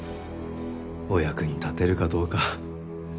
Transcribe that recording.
お役に立てるかどうか。